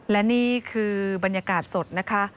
และนี่คือบรรยากาศสดนะคะ